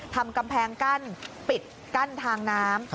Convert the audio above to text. ทำกำแพงกั้นปิดกั้นทางน้ำ